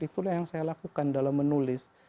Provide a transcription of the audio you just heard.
itulah yang saya lakukan dalam menulis